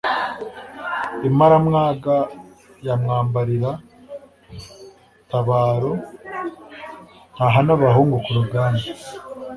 Imaramwaga ya mwambarira tabaroNtahana abahungu ku rugamba,